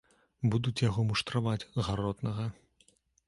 Будуць яго муштраваць, гаротнага.